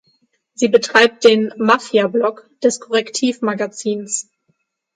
Sie betreibt den „Mafiablog“ des Correctiv Magazins.